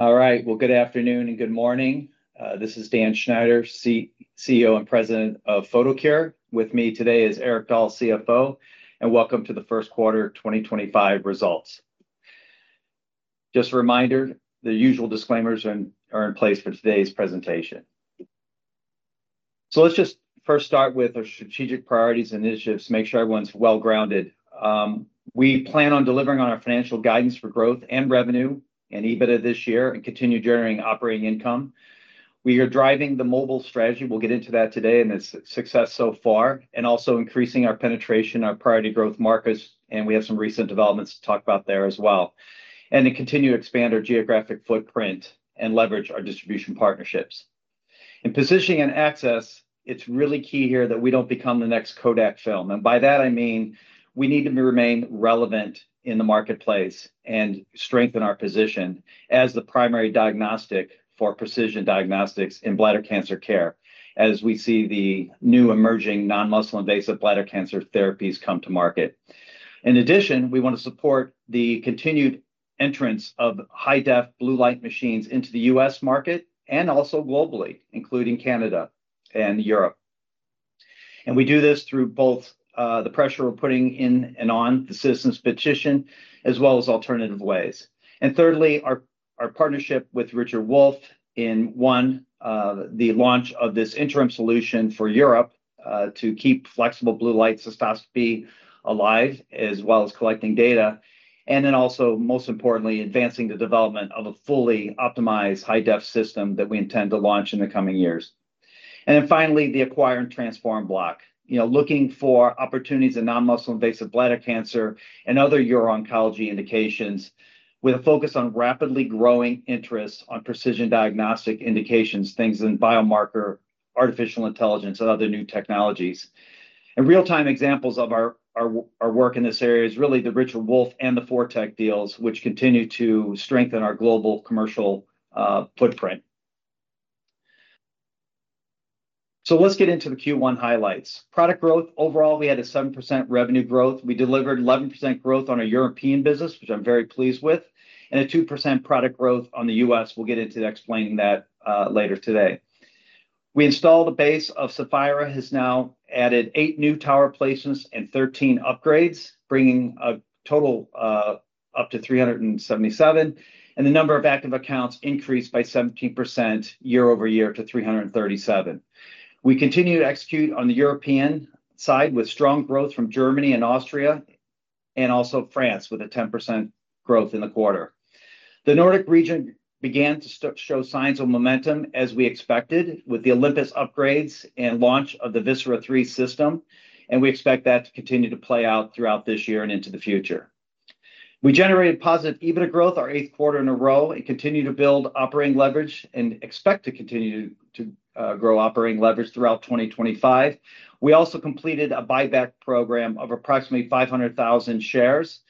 All right. Good afternoon and good morning. This is Dan Schneider, CEO and President of Photocure. With me today is Erik Dahl, CFO, and welcome to the first quarter 2025 results. Just a reminder, the usual disclaimers are in place for today's presentation. Let's just first start with our strategic priorities and initiatives to make sure everyone's well grounded. We plan on delivering on our financial guidance for growth in revenue and EBITDA this year and continue generating operating income. We are driving the mobile strategy. We'll get into that today and its success so far, and also increasing our penetration, our priority growth markers, and we have some recent developments to talk about there as well, and to continue to expand our geographic footprint and leverage our distribution partnerships. In positioning and access, it's really key here that we don't become the next Kodak film. By that, I mean we need to remain relevant in the marketplace and strengthen our position as the primary diagnostic for precision diagnostics in bladder cancer care as we see the new emerging non-muscle invasive bladder cancer therapies come to market. In addition, we want to support the continued entrance of high-def blue light machines into the U.S. market and also globally, including Canada and Europe. We do this through both the pressure we are putting in and on the citizens' petition, as well as alternative ways. Thirdly, our partnership with Richard Wolf in, one, the launch of this interim solution for Europe to keep flexible Blue Light Cystoscopy alive, as well as collecting data, and then also, most importantly, advancing the development of a fully optimized high-def system that we intend to launch in the coming years. Finally, the acquire and transform block, looking for opportunities in non-muscle invasive bladder cancer and other uro-oncology indications with a focus on rapidly growing interest on precision diagnostic indications, things in biomarker, artificial intelligence, and other new technologies. Real-time examples of our work in this area is really the Richard Wolf and the ForTec deals, which continue to strengthen our global commercial footprint. Let's get into the Q1 highlights. Product growth overall, we had a 7% revenue growth. We delivered 11% growth on our European business, which I'm very pleased with, and a 2% product growth on the U.S. We'll get into explaining that later today. We installed a base of Saphira, has now added eight new tower placements and 13 upgrades, bringing a total up to 377, and the number of active accounts increased by 17% year-over-year to 337. We continue to execute on the European side with strong growth from Germany and Austria and also France with a 10% growth in the quarter. The Nordic region began to show signs of momentum as we expected with the Olympus upgrades and launch of the Viscera III system, and we expect that to continue to play out throughout this year and into the future. We generated positive EBITDA growth, our eighth quarter in a row, and continue to build operating leverage and expect to continue to grow operating leverage throughout 2025. We also completed a buyback program of approximately 500,000 shares.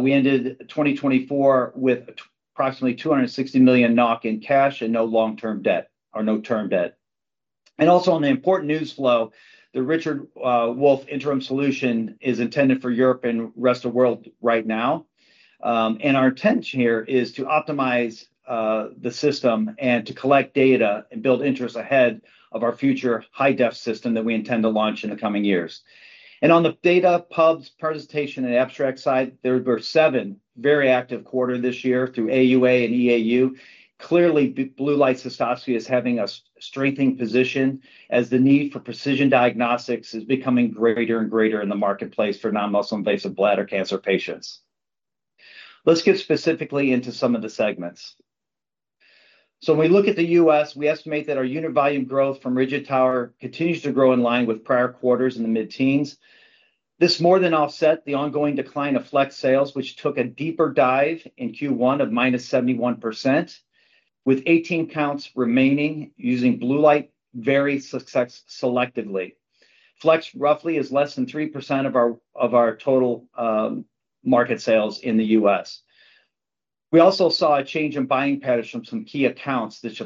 We ended 2024 with approximately 260 million NOK in cash and no long-term debt or no term debt. Also, on the important news flow, the Richard Wolf interim solution is intended for Europe and the rest of the world right now. Our intent here is to optimize the system and to collect data and build interest ahead of our future high-def system that we intend to launch in the coming years. On the data pubs, presentation, and abstract side, there were seven very active quarters this year through AUA and EAU. Clearly, Blue Light Cystoscopy is having a strengthening position as the need for precision diagnostics is becoming greater and greater in the marketplace for non-muscle invasive bladder cancer patients. Let's get specifically into some of the segments. When we look at the U.S., we estimate that our unit volume growth from Rigid Tower continues to grow in line with prior quarters in the mid-teens. This more than offsets the ongoing decline of FLEX sales, which took a deeper dive in Q1 of -71%, with 18 counts remaining using blue light very selectively. FLEX roughly is less than 3% of our total market sales in the U.S. We also saw a change in buying patterns from some key accounts that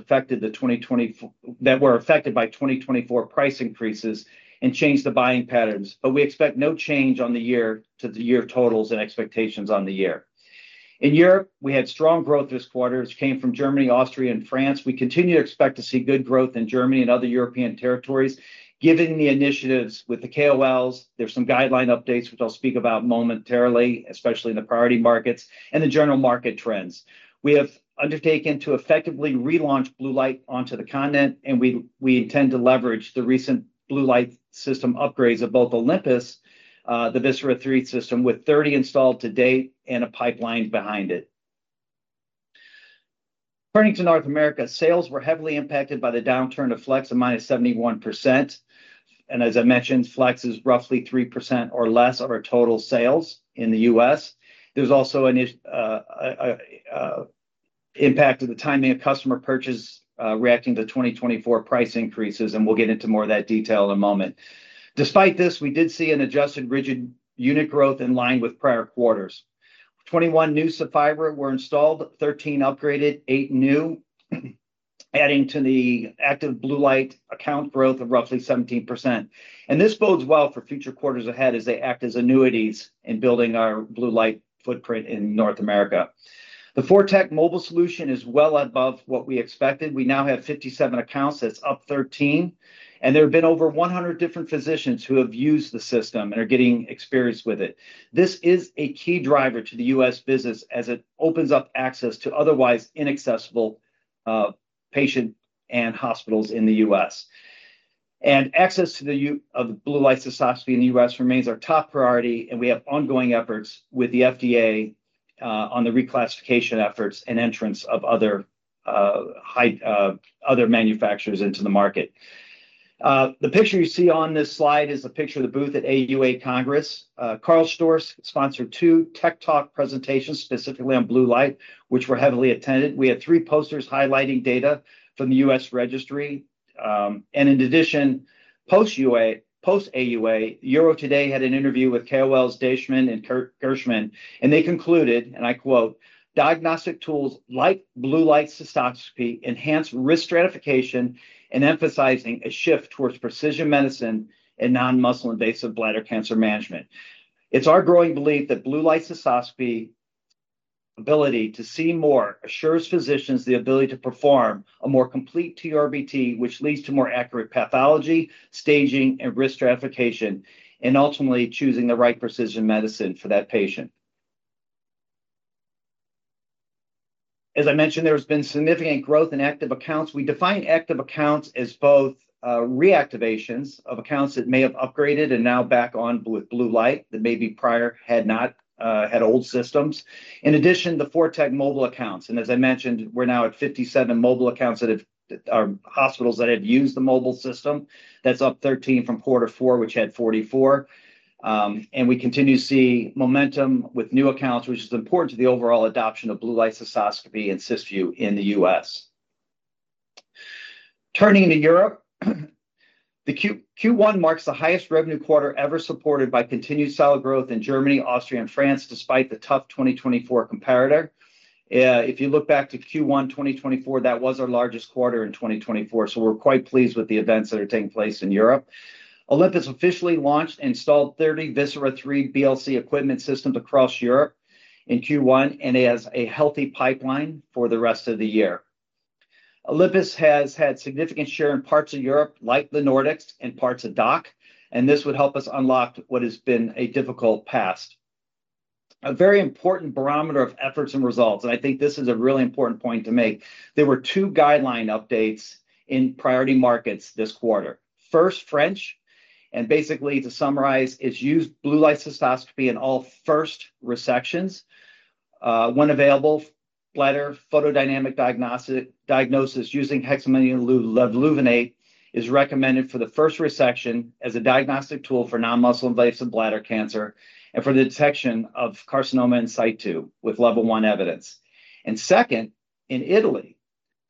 were affected by 2024 price increases and changed the buying patterns, but we expect no change on the year to the year totals and expectations on the year. In Europe, we had strong growth this quarter, which came from Germany, Austria, and France. We continue to expect to see good growth in Germany and other European territories, given the initiatives with the KOLs. There's some guideline updates, which I'll speak about momentarily, especially in the priority markets and the general market trends. We have undertaken to effectively relaunch blue light onto the continent, and we intend to leverage the recent blue light system upgrades of both Olympus, the Viscera III system, with 30 installed to date and a pipeline behind it. Turning to North America, sales were heavily impacted by the downturn of FLEX of -71%. As I mentioned, FLEX is roughly 3% or less of our total sales in the U.S. There is also an impact of the timing of customer purchase reacting to 2024 price increases, and we will get into more of that detail in a moment. Despite this, we did see an adjusted rigid unit growth in line with prior quarters. 21 new Saphira were installed, 13 upgraded, eight new, adding to the active blue light account growth of roughly 17%. This bodes well for future quarters ahead as they act as annuities in building our blue light footprint in North America. The ForTec mobile solution is well above what we expected. We now have 57 accounts. That is up 13. There have been over 100 different physicians who have used the system and are getting experienced with it. This is a key driver to the U.S. business as it opens up access to otherwise inaccessible patients and hospitals in the U.S. Access to the Blue Light Cystoscopy in the U.S. remains our top priority, and we have ongoing efforts with the FDA on the reclassification efforts and entrance of other manufacturers into the market. The picture you see on this slide is a picture of the booth at AUA Congress. Karl Storz sponsored two tech talk presentations specifically on blue light, which were heavily attended. We had three posters highlighting data from the US registry. In addition, post-AUA, Euro Today had an interview with KOLs Daneshmand and Gershman, and they concluded, and I quote, "Diagnostic tools like Blue Light Cystoscopy enhance risk stratification and emphasizing a shift towards precision medicine and non-muscle invasive bladder cancer management." It is our growing belief that Blue Light Cystoscopy ability to see more assures physicians the ability to perform a more complete TURBT, which leads to more accurate pathology, staging, and risk stratification, and ultimately choosing the right precision medicine for that patient. As I mentioned, there has been significant growth in active accounts. We define active accounts as both reactivations of accounts that may have upgraded and now back on with blue light that maybe prior had old systems. In addition, the ForTec mobile accounts, and as I mentioned, we are now at 57 mobile accounts that are hospitals that have used the mobile system. That's up 13 from quarter four, which had 44. We continue to see momentum with new accounts, which is important to the overall adoption of Blue Light Cystoscopy and Cysview in the US. Turning to Europe, Q1 marks the highest revenue quarter ever, supported by continued solid growth in Germany, Austria, and France despite the tough 2024 comparator. If you look back to Q1 2024, that was our largest quarter in 2024. We are quite pleased with the events that are taking place in Europe. Olympus officially launched and installed 30 Viscera III BLC equipment systems across Europe in Q1 and has a healthy pipeline for the rest of the year. Olympus has had significant share in parts of Europe like the Nordics and parts of DAC, and this would help us unlock what has been a difficult past. A very important barometer of efforts and results, and I think this is a really important point to make. There were two guideline updates in priority markets this quarter. First, France, and basically to summarize, it's use Blue Light Cystoscopy in all first resections. One available bladder photodynamic diagnosis using hexaminolevulinate is recommended for the first resection as a diagnostic tool for non-muscle invasive bladder cancer and for the detection of carcinoma in situ with level one evidence. Second, in Italy,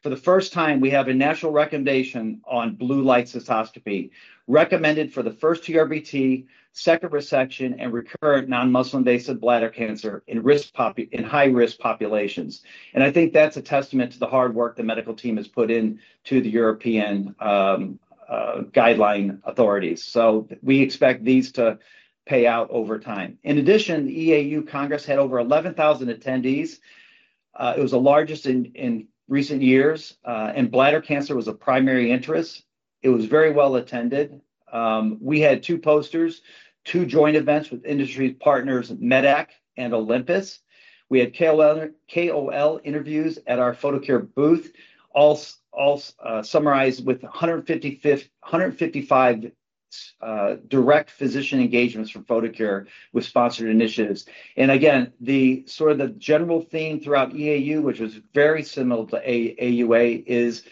for the first time, we have a national recommendation on Blue Light Cystoscopy recommended for the first TURBT, second resection, and recurrent non-muscle invasive bladder cancer in high-risk populations. I think that's a testament to the hard work the medical team has put into the European guideline authorities. We expect these to pay out over time. In addition, the EAU Congress had over 11,000 attendees. It was the largest in recent years, and bladder cancer was a primary interest. It was very well attended. We had two posters, two joint events with industry partners, Medac and Olympus. We had KOL interviews at our Photocure booth, all summarized with 155 direct physician engagements from Photocure with sponsored initiatives. The sort of the general theme throughout EAU, which was very similar to AUA, is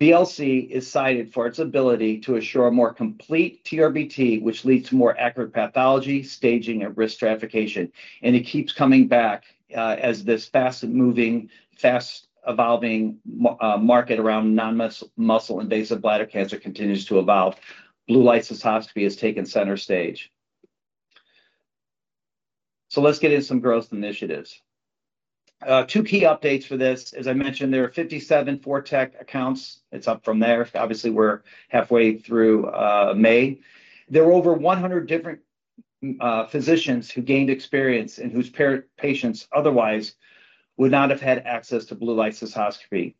BLC is cited for its ability to assure a more complete TURBT, which leads to more accurate pathology, staging, and risk stratification. It keeps coming back as this fast-moving, fast-evolving market around non-muscle invasive bladder cancer continues to evolve. Blue Light Cystoscopy has taken center stage. Let's get into some growth initiatives. Two key updates for this. As I mentioned, there are 57 ForTec accounts. It's up from there. Obviously, we're halfway through May. There were over 100 different physicians who gained experience and whose patients otherwise would not have had access to Blue Light Cystoscopy.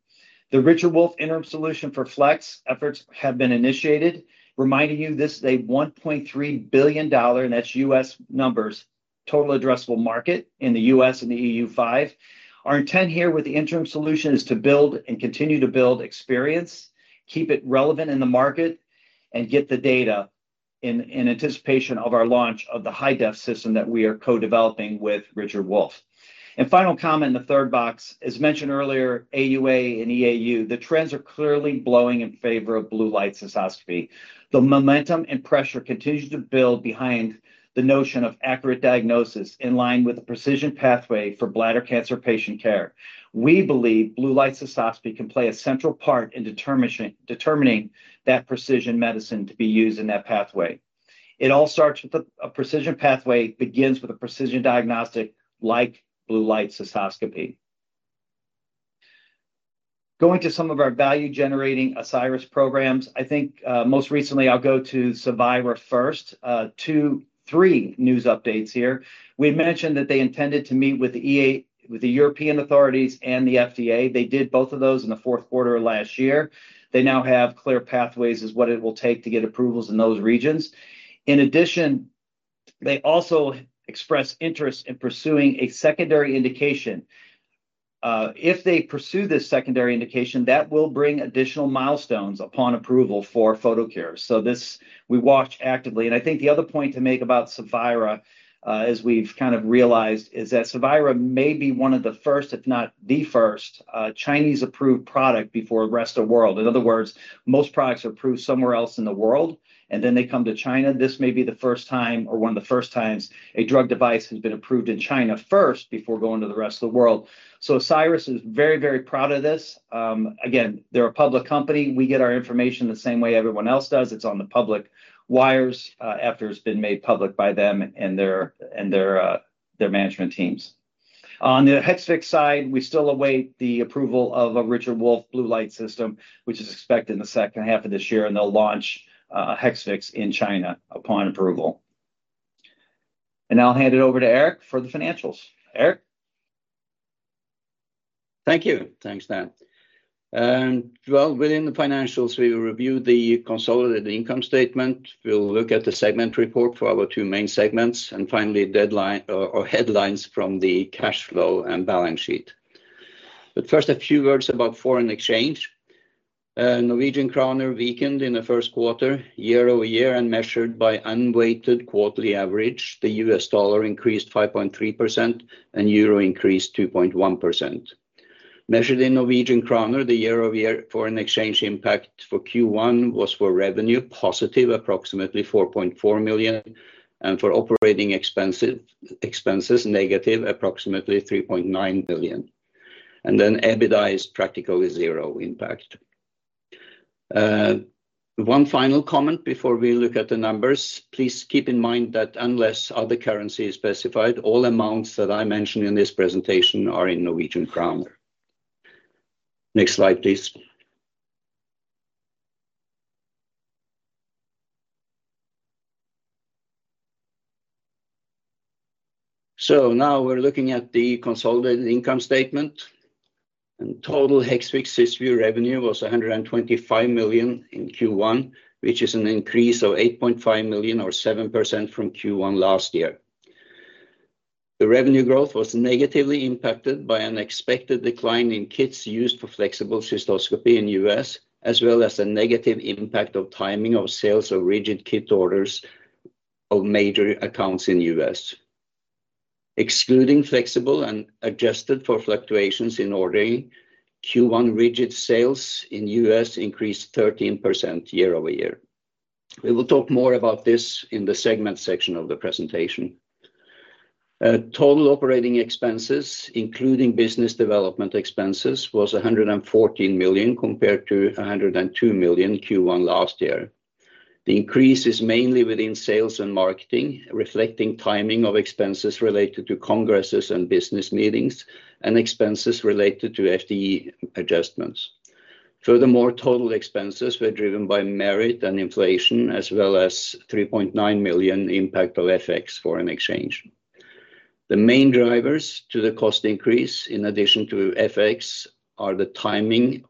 The Richard Wolf interim solution for FLEX efforts have been initiated. Reminding you, this is a $1.3 billion, and that's U.S. numbers, total addressable market in the U.S. and the EU 5. Our intent here with the interim solution is to build and continue to build experience, keep it relevant in the market, and get the data in anticipation of our launch of the high-def system that we are co-developing with Richard Wolf. Final comment in the third box, as mentioned earlier, AUA and EAU, the trends are clearly blowing in favor of Blue Light Cystoscopy. The momentum and pressure continues to build behind the notion of accurate diagnosis in line with the precision pathway for bladder cancer patient care. We believe Blue Light Cystoscopy can play a central part in determining that precision medicine to be used in that pathway. It all starts with a precision pathway, begins with a precision diagnostic like Blue Light Cystoscopy. Going to some of our value-generating Asieris programs, I think most recently, I'll go to Cevira first. Three news updates here. We mentioned that they intended to meet with the European authorities and the FDA. They did both of those in the fourth quarter of last year. They now have clear pathways as what it will take to get approvals in those regions. In addition, they also expressed interest in pursuing a secondary indication. If they pursue this secondary indication, that will bring additional milestones upon approval for Photocure. So we watch actively. I think the other point to make about Saphira, as we've kind of realized, is that Cevira may be one of the first, if not the first, Chinese-approved product before the rest of the world. In other words, most products are approved somewhere else in the world, and then they come to China. This may be the first time or one of the first times a drug device has been approved in China first before going to the rest of the world. Asieris is very, very proud of this. Again, they're a public company. We get our information the same way everyone else does. It's on the public wires after it's been made public by them and their management teams. On the Hexvix side, we still await the approval of a Richard Wolf blue light system, which is expected in the second half of this year, and they'll launch Hexvix in China upon approval. I'll hand it over to Erik for the financials. Erik? Thank you. Thanks, Dan. Within the financials, we will review the consolidated income statement. We'll look at the segment report for our two main segments, and finally, headlines from the cash flow and balance sheet. First, a few words about foreign exchange. Norwegian Krone weakened in the first quarter, year-over-year, and measured by unweighted quarterly average. The U.S. dollar increased 5.3% and Euro increased 2.1%. Measured in Norwegian Krone, the year-over-year foreign exchange impact for Q1 was for revenue positive, approximately 4.4 million, and for operating expenses negative, approximately 3.9 million. EBITDA is practically zero impact. One final comment before we look at the numbers. Please keep in mind that unless other currency is specified, all amounts that I mentioned in this presentation are in Norwegian Krone. Next slide, please. Now we're looking at the consolidated income statement. Total Hexvix Cysview revenue was 125 million in Q1, which is an increase of 8.5 million or 7% from Q1 last year. The revenue growth was negatively impacted by an expected decline in kits used for flexible cystoscopy in the U.S., as well as a negative impact of timing of sales of rigid kit orders of major accounts in the U.S. Excluding flexible and adjusted for fluctuations in ordering, Q1 rigid sales in the U.S. increased 13% year-over-year. We will talk more about this in the segment section of the presentation. Total operating expenses, including business development expenses, was 114 million compared to 102 million Q1 last year. The increase is mainly within sales and marketing, reflecting timing of expenses related to congresses and business meetings and expenses related to FDA adjustments. Furthermore, total expenses were driven by merit and inflation, as well as 3.9 million impact of FX foreign exchange. The main drivers to the cost increase, in addition to FX, are the timing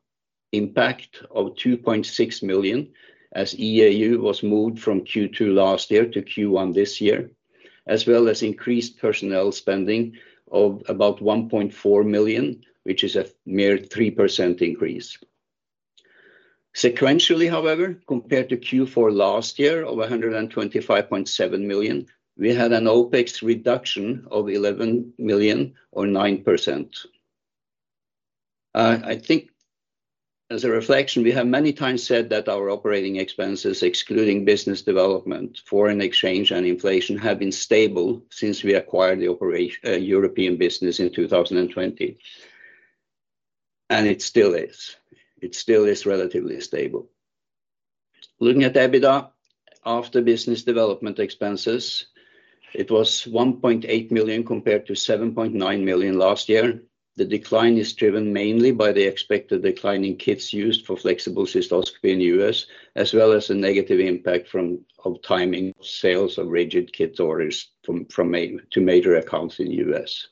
impact of 2.6 million as EAU was moved from Q2 last year to Q1 this year, as well as increased personnel spending of about 1.4 million, which is a mere 3% increase. Sequentially, however, compared to Q4 last year of 125.7 million, we had an OPEX reduction of 11 million or 9%. I think as a reflection, we have many times said that our operating expenses, excluding business development, foreign exchange, and inflation have been stable since we acquired the European business in 2020. It still is. It still is relatively stable. Looking at EBITDA after business development expenses, it was 1.8 million compared to 7.9 million last year. The decline is driven mainly by the expected decline in kits used for flexible cystoscopy in the U.S., as well as a negative impact from timing of sales of rigid kit orders to major accounts in the U.S.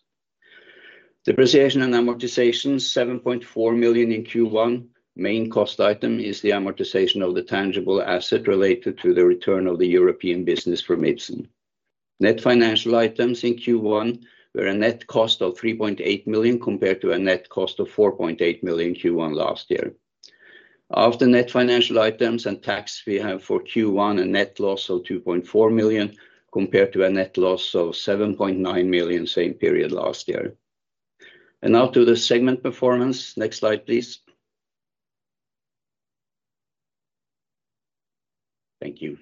Depreciation and amortization, 7.4 million in Q1. Main cost item is the amortization of the intangible asset related to the return of the European business from Ipsen. Net financial items in Q1 were a net cost of 3.8 million compared to a net cost of 4.8 million Q1 last year. After net financial items and tax, we have for Q1 a net loss of 2.4 million compared to a net loss of 7.9 million same period last year. Now to the segment performance. Next slide, please. Thank you.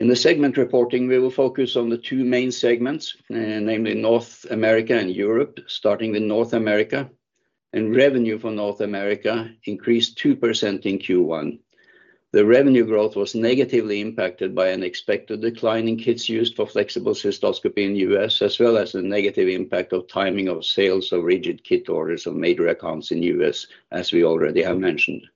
In the segment reporting, we will focus on the two main segments, namely North America and Europe, starting with North America. Revenue for North America increased 2% in Q1. The revenue growth was negatively impacted by an expected decline in kits used for flexible cystoscopy in the U.S., as well as a negative impact of timing of sales of rigid kit orders of major accounts in the U.S., as we already have mentioned.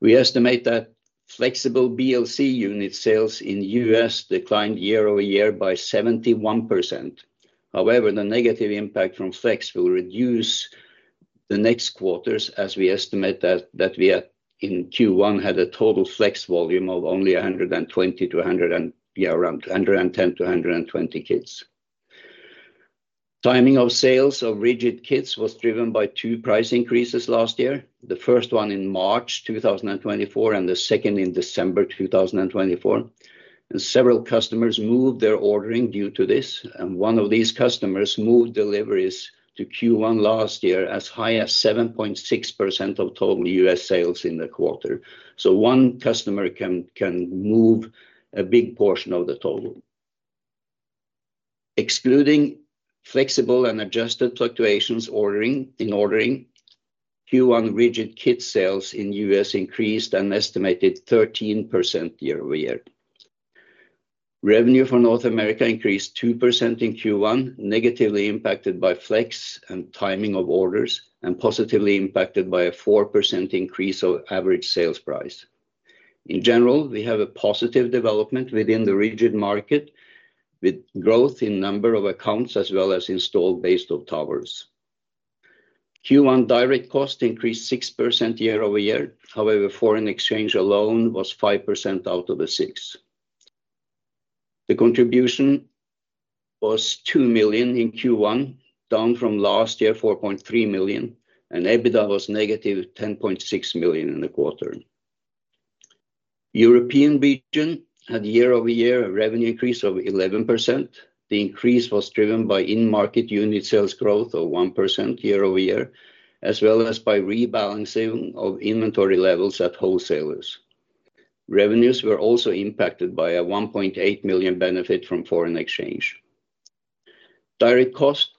We estimate that flexible BLC unit sales in the U.S. declined year-over-year by 71%. However, the negative impact from FLEX will reduce the next quarters as we estimate that we in Q1 had a total FLEX volume of only 110-120 kits. Timing of sales of rigid kits was driven by two price increases last year. The first one in March 2024 and the second in December 2024. Several customers moved their ordering due to this. One of these customers moved deliveries to Q1 last year as high as 7.6% of total U.S. sales in the quarter. One customer can move a big portion of the total. Excluding flexible and adjusted fluctuations in ordering, Q1 rigid kit sales in the U.S. increased an estimated 13% year-over-year. Revenue for North America increased 2% in Q1, negatively impacted by FLEX and timing of orders, and positively impacted by a 4% increase of average sales price. In general, we have a positive development within the rigid market with growth in number of accounts as well as installed base of towers. Q1 direct cost increased 6% year over year. However, foreign exchange alone was 5% out of the 6%. The contribution was 2 million in Q1, down from last year 4.3 million. EBITDA was negative 10.6 million in the quarter. European region had year over year revenue increase of 11%. The increase was driven by in-market unit sales growth of 1% year over year, as well as by rebalancing of inventory levels at wholesalers. Revenues were also impacted by a 1.8 million benefit from foreign exchange. Direct cost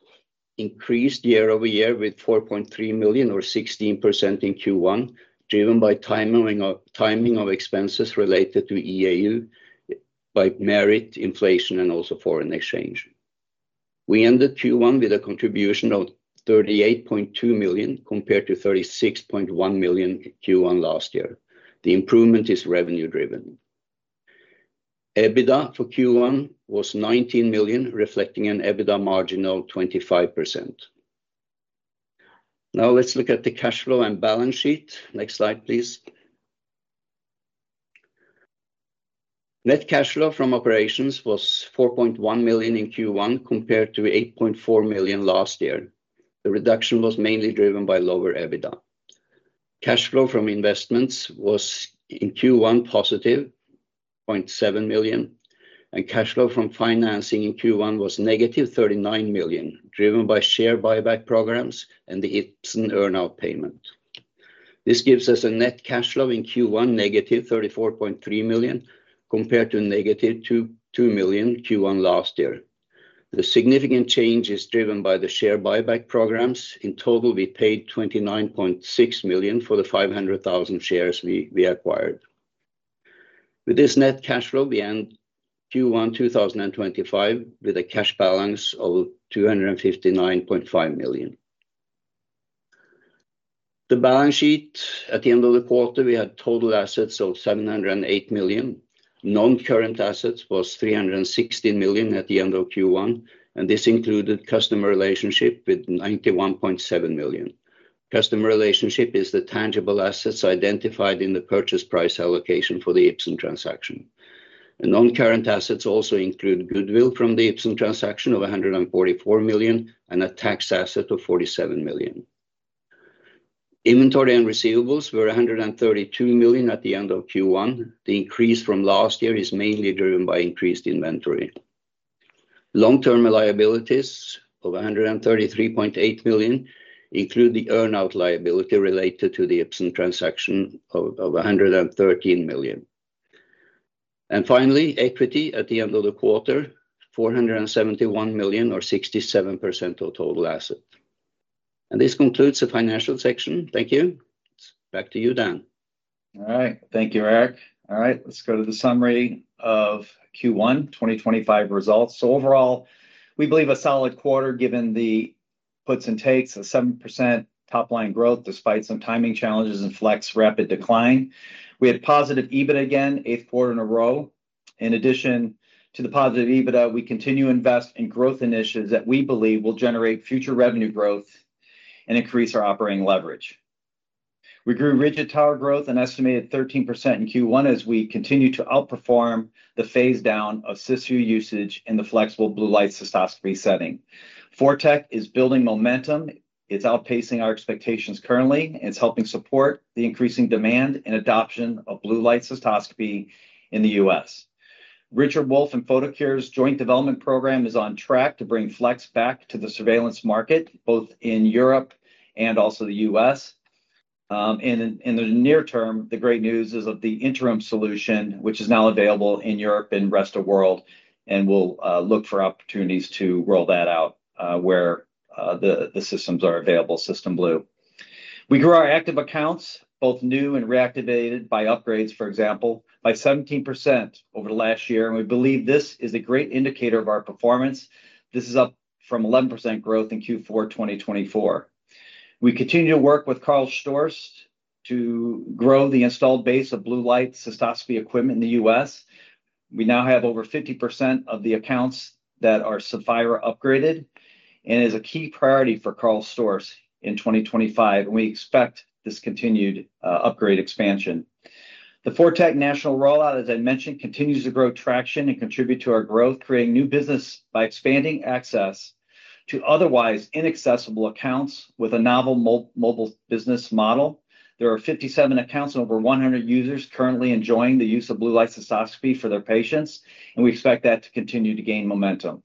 increased year over year with 4.3 million or 16% in Q1, driven by timing of expenses related to EAU by merit, inflation, and also foreign exchange. We ended Q1 with a contribution of 38.2 million compared to 36.1 million Q1 last year. The improvement is revenue-driven. EBITDA for Q1 was 19 million, reflecting an EBITDA margin of 25%. Now let's look at the cash flow and balance sheet. Next slide, please. Net cash flow from operations was 4.1 million in Q1 compared to 8.4 million last year. The reduction was mainly driven by lower EBITDA. Cash flow from investments was in Q1 positive, 0.7 million, and cash flow from financing in Q1 was negative 39 million, driven by share buyback programs and the Ipsen earnout payment. This gives us a net cash flow in Q1 negative 34.3 million compared to negative 2 million Q1 last year. The significant change is driven by the share buyback programs. In total, we paid 29.6 million for the 500,000 shares we acquired. With this net cash flow, we end Q1 2025 with a cash balance of 259.5 million. The balance sheet at the end of the quarter, we had total assets of 708 million. Non-current assets was 316 million at the end of Q1, and this included customer relationship with 91.7 million. Customer relationship is the tangible assets identified in the purchase price allocation for the Ipsen transaction. Non-current assets also include goodwill from the Ipsen transaction of 144 million and a tax asset of 47 million. Inventory and receivables were 132 million at the end of Q1. The increase from last year is mainly driven by increased inventory. Long-term liabilities of 133.8 million include the earnout liability related to the Ipsen transaction of 113 million. Finally, equity at the end of the quarter, 471 million or 67% of total asset. This concludes the financial section. Thank you. Back to you, Dan. All right. Thank you, Erik. All right. Let's go to the summary of Q1 2025 results. Overall, we believe a solid quarter given the puts and takes, a 7% top-line growth despite some timing challenges and FlLEX rapid decline. We had positive EBITDA again, eighth quarter in a row. In addition to the positive EBITDA, we continue to invest in growth initiatives that we believe will generate future revenue growth and increase our operating leverage. We grew rigid tower growth an estimated 13% in Q1 as we continue to outperform the phase-down of Cysview usage in the flexible Blue Light Cystoscopy setting. ForTec is building momentum. It's outpacing our expectations currently. It's helping support the increasing demand and adoption of Blue Light Cystoscopy in the U.S. Richard Wolf and Photocure's joint development program is on track to bring FLEX back to the surveillance market, both in Europe and also the U.S. In the near term, the great news is of the interim solution, which is now available in Europe and the rest of the world, and we'll look for opportunities to roll that out where the systems are available, System blue. We grew our active accounts, both new and reactivated, by upgrades, for example, by 17% over the last year. We believe this is a great indicator of our performance. This is up from 11% growth in Q4 2024. We continue to work with Karl Storz to grow the installed base of Blue Light Cystoscopy equipment in the US. We now have over 50% of the accounts that are Saphira upgraded and is a key priority for Karl Storz in 2025. We expect this continued upgrade expansion. The ForTec national rollout, as I mentioned, continues to grow traction and contribute to our growth, creating new business by expanding access to otherwise inaccessible accounts with a novel mobile business model. There are 57 accounts and over 100 users currently enjoying the use of Blue Light Cystoscopy for their patients. We expect that to continue to gain momentum.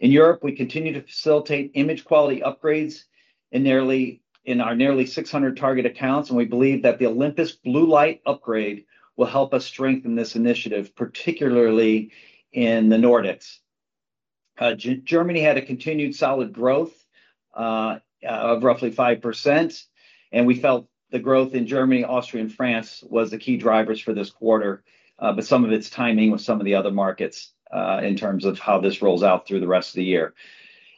In Europe, we continue to facilitate image quality upgrades in our nearly 600 target accounts. We believe that the Olympus blue light upgrade will help us strengthen this initiative, particularly in the Nordics. Germany had a continued solid growth of roughly 5%. We felt the growth in Germany, Austria, and France was the key drivers for this quarter, but some of its timing with some of the other markets in terms of how this rolls out through the rest of the year.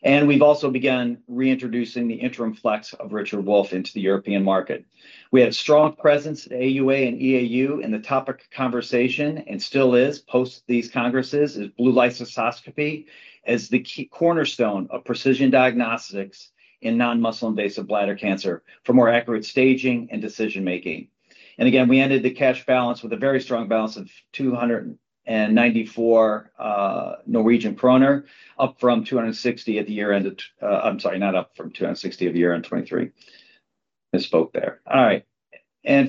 We have also begun reintroducing the interim FLEX of Richard Wolf into the European market. We had a strong presence at AUA and EAU, and the topic of conversation, and still is post these congresses, is Blue Light Cystoscopy as the cornerstone of precision diagnostics in non-muscle invasive bladder cancer for more accurate staging and decision-making. Again, we ended the cash balance with a very strong balance of 294 million Norwegian kroner, up from 260 million at the year end of—I'm sorry, not up from 260 million at the year end 2023. I misspoke there. All right.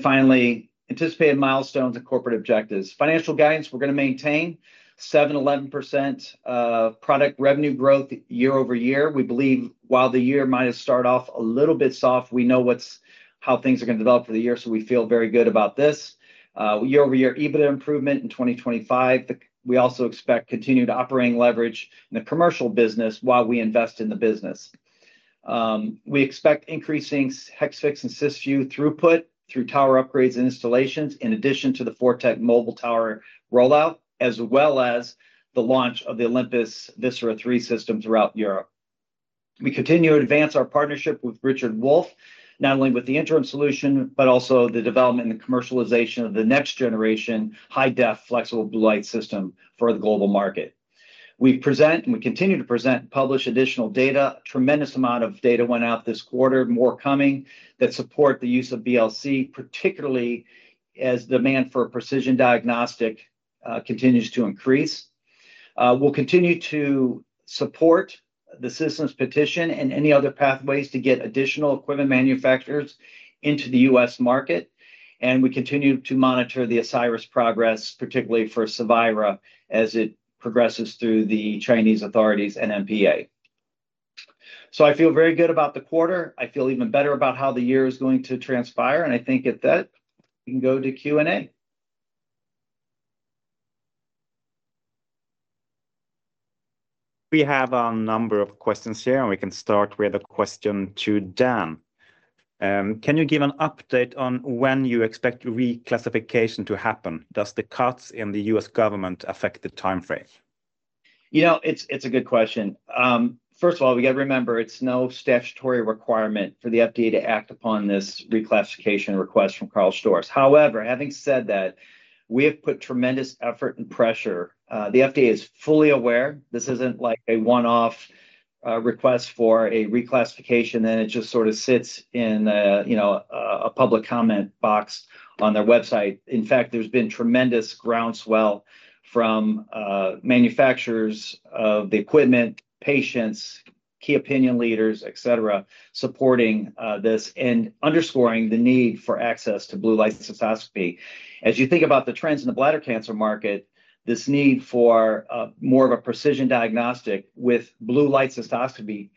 Finally, anticipated milestones and corporate objectives. Financial guidance, we're going to maintain 7%-11% product revenue growth year over year. We believe while the year might have started off a little bit soft, we know how things are going to develop for the year, so we feel very good about this. Year over year, EBITDA improvement in 2025. We also expect continued operating leverage in the commercial business while we invest in the business. We expect increasing Hexvix and Cysview throughput through tower upgrades and installations, in addition to the ForTec mobile tower rollout, as well as the launch of the Olympus Viscera III system throughout Europe. We continue to advance our partnership with Richard Wolf, not only with the interim solution, but also the development and commercialization of the next generation high-def flexible blue light system for the global market. We present, and we continue to present, publish additional data. A tremendous amount of data went out this quarter, more coming, that support the use of BLC, particularly as demand for precision diagnostic continues to increase. We will continue to support the system's petition and any other pathways to get additional equipment manufacturers into the U.S. market. We continue to monitor the Asieris progress, particularly for Cevira, as it progresses through the Chinese authorities and MPA. I feel very good about the quarter. I feel even better about how the year is going to transpire. I think at that, we can go to Q&A. We have a number of questions here, and we can start with a question to Dan. Can you give an update on when you expect reclassification to happen? Does the cuts in the U.S. government affect the timeframe? You know, it's a good question. First of all, we got to remember, it's no statutory requirement for the FDA to act upon this reclassification request from Karl Storz. However, having said that, we have put tremendous effort and pressure. The FDA is fully aware. This isn't like a one-off request for a reclassification, and it just sort of sits in a public comment box on their website. In fact, there's been tremendous groundswell from manufacturers of the equipment, patients, key opinion leaders, etc., supporting this and underscoring the need for access to Blue Light Cystoscopy. As you think about the trends in the bladder cancer market, this need for more of a precision diagnostic with Blue Light Cystoscopy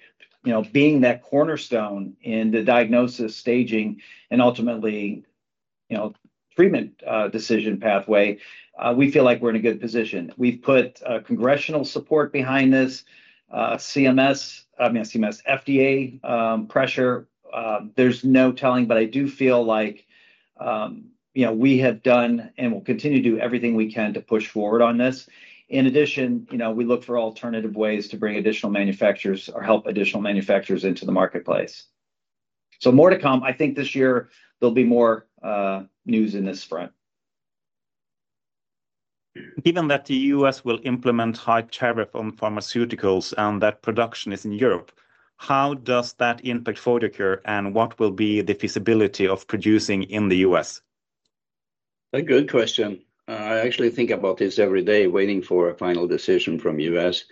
being that cornerstone in the diagnosis, staging, and ultimately treatment decision pathway, we feel like we're in a good position. We've put congressional support behind this, CMS, I mean, CMS FDA pressure. There's no telling, but I do feel like we have done and will continue to do everything we can to push forward on this. In addition, we look for alternative ways to bring additional manufacturers or help additional manufacturers into the marketplace. More to come. I think this year, there'll be more news in this front. Given that the U.S. will implement high tariff on pharmaceuticals and that production is in Europe, how does that impact Photocure and what will be the feasibility of producing in the U.S.? A good question. I actually think about this every day, waiting for a final decision from the U.S.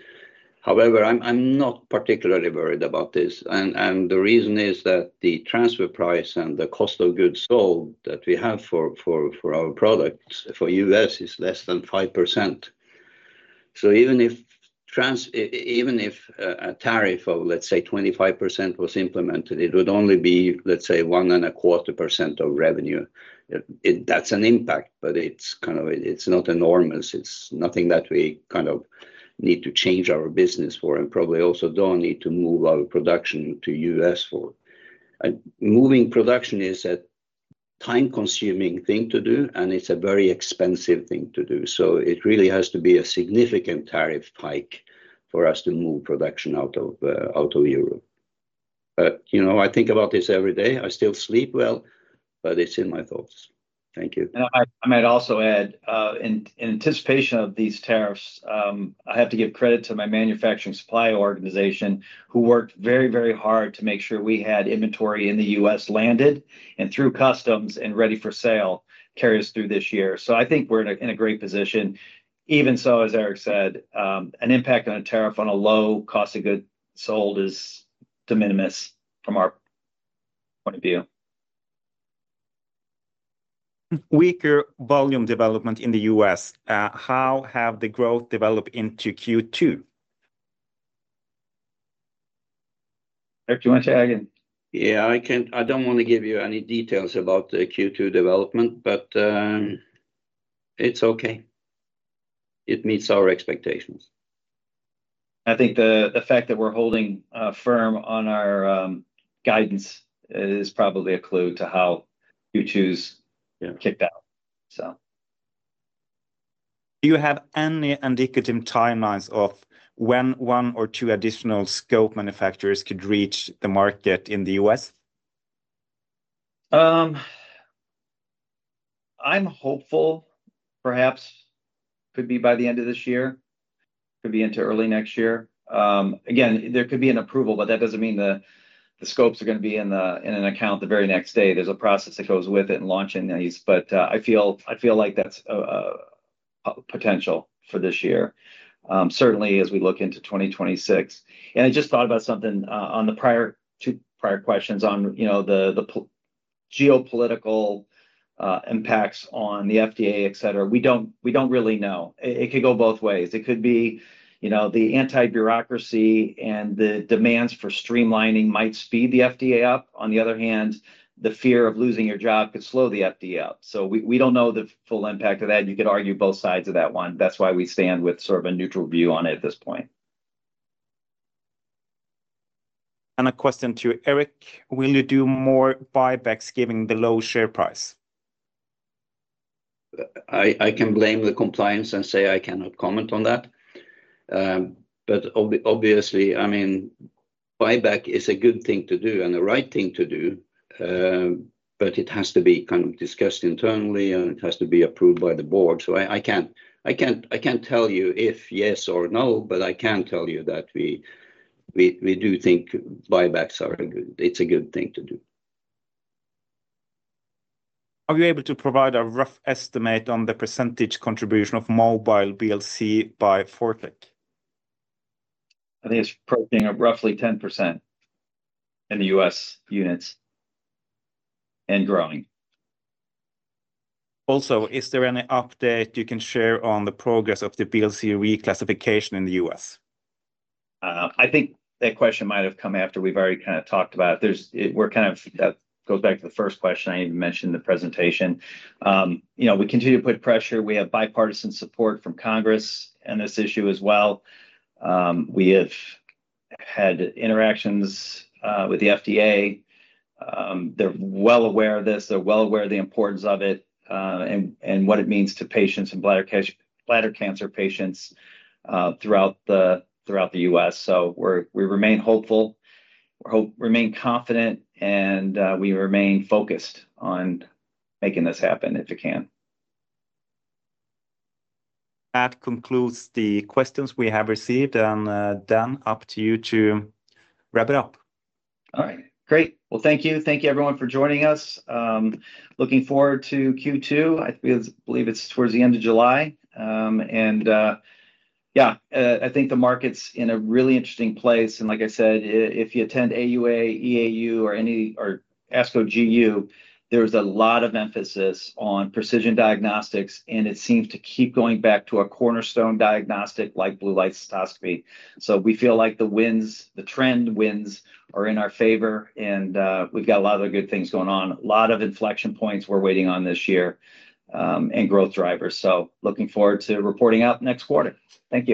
However, I'm not particularly worried about this. The reason is that the transfer price and the cost of goods sold that we have for our products for the U.S. is less than 5%. Even if a tariff of, let's say, 25% was implemented, it would only be, let's say, 1.25% of revenue. That's an impact, but it's kind of, it's not enormous. It's nothing that we kind of need to change our business for and probably also don't need to move our production to the U.S. for. Moving production is a time-consuming thing to do, and it's a very expensive thing to do. It really has to be a significant tariff hike for us to move production out of Europe. I think about this every day. I still sleep well, but it's in my thoughts. Thank you. I might also add, in anticipation of these tariffs, I have to give credit to my manufacturing supply organization who worked very, very hard to make sure we had inventory in the U.S. landed and through customs and ready for sale carries through this year. I think we're in a great position. Even so, as Erik said, an impact on a tariff on a low cost of goods sold is de minimis from our point of view. Weaker volume development in the U.S. How have the growth developed into Q2? Erik do you want to add? Yeah, I don't want to give you any details about the Q2 development, but it's okay. It meets our expectations. I think the fact that we're holding firm on our guidance is probably a clue to how Q2s kicked out. Do you have any indicative timelines of when one or two additional scope manufacturers could reach the market in the U.S? I'm hopeful perhaps it could be by the end of this year, could be into early next year. Again, there could be an approval, but that doesn't mean the scopes are going to be in an account the very next day. There's a process that goes with it and launching these. I feel like that's a potential for this year, certainly as we look into 2026. I just thought about something on the two prior questions on the geopolitical impacts on the FDA, etc. We don't really know. It could go both ways. It could be the anti-bureaucracy and the demands for streamlining might speed the FDA up. On the other hand, the fear of losing your job could slow the FDA up. We do not know the full impact of that. You could argue both sides of that one. That is why we stand with sort of a neutral view on it at this point. A question to Erik, will you do more buybacks given the low share price? I can blame the compliance and say I cannot comment on that. Obviously, I mean, buyback is a good thing to do and the right thing to do, but it has to be kind of discussed internally, and it has to be approved by the board. I cannot tell you if yes or no, but I can tell you that we do think buybacks are a good, it is a good thing to do. Are you able to provide a rough estimate on the percentage contribution of mobile BLC by ForTec? I think it's approaching roughly 10% in the U.S. units and growing. Also, is there any update you can share on the progress of the BLC reclassification in the U.S? I think that question might have come after we've already kind of talked about it. We're kind of, that goes back to the first question I even mentioned in the presentation. We continue to put pressure. We have bipartisan support from Congress on this issue as well. We have had interactions with the FDA. They're well aware of this. They're well aware of the importance of it and what it means to patients and bladder cancer patients throughout the U.S. We remain hopeful. We remain confident, and we remain focused on making this happen if it can. That concludes the questions we have received. Dan, up to you to wrap it up. All right. Great. Thank you. Thank you, everyone, for joining us. Looking forward to Q2. I believe it's towards the end of July. Yeah, I think the market's in a really interesting place. Like I said, if you attend AUA, EAU, or ASCO GU, there's a lot of emphasis on precision diagnostics, and it seems to keep going back to a cornerstone diagnostic like Blue Light Cystoscopy. We feel like the trend wins are in our favor, and we've got a lot of good things going on. A lot of inflection points we're waiting on this year and growth drivers. Looking forward to reporting out next quarter. Thank you.